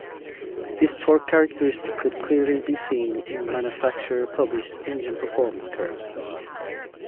This torque characteristic could clearly be seen in manufacturer published engine performance curves.